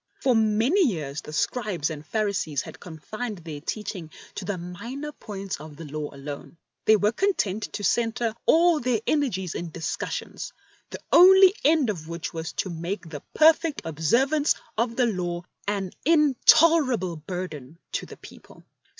For many years the Scribes and Phari sees had confined their teaching to the minor points of the Law alone. They were content to centre aU their energies in discussions, the only end of which was to make the perfect observance of the Law an intolerable burden to the people.